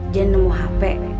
dia nemu hp